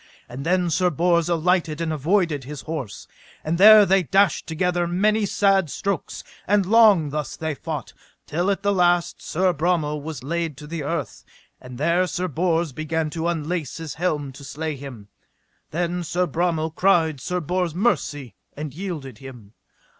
And then Sir Bors alighted and avoided his horse, and there they dashed together many sad strokes; and long thus they fought, till at the last Sir Bromel was laid to the earth, and there Sir Bors began to unlace his helm to slay him. Then Sir Bromel cried Sir Bors mercy, and yielded him.